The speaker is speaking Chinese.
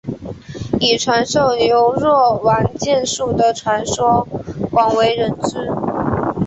以传授牛若丸剑术的传说广为人知。